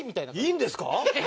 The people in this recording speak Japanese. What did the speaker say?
いいんですか？